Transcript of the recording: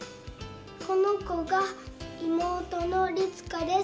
このこがいもうとのりつかです。